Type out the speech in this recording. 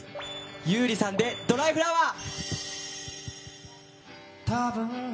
優里さんで「ドライフラワー」。